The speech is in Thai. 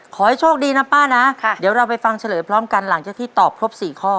ขอให้โชคดีนะป้านะเดี๋ยวเราไปฟังเฉลยพร้อมกันหลังจากที่ตอบครบ๔ข้อ